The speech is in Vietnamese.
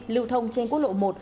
lưu thông trên quốc lộ một